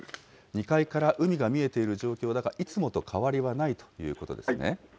２階から海が見えている状況だが、いつもと変わりはないということですね。